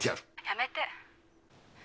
やめて。